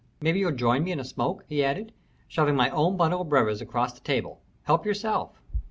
Maybe you'll join me in a smoke?" he added, shoving my own bundle of brevas across the table. "Help yourself."